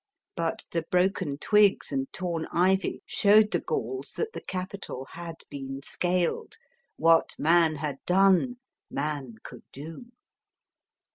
But the broken twigs and torn ivy, showed the Gauls, that the Capitol had been scaled. What man had done, map could do.